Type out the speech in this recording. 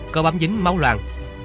có bám dính máu loạn